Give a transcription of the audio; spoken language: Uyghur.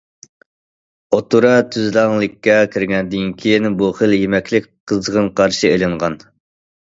ئوتتۇرا تۈزلەڭلىككە كىرگەندىن كېيىن، بۇ خىل يېمەكلىك قىزغىن قارشى ئېلىنغان.